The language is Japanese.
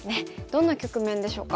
どんな局面でしょうか。